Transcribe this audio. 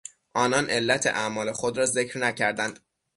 آنان علت اعمال خود را ذکر نکردند.